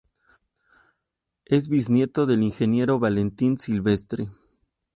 Es bisnieto del ingeniero Valentín Silvestre.